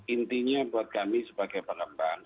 intinya buat kami sebagai pengembang